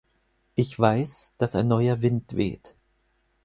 Ich weiß, dass ein neuer Wind weht.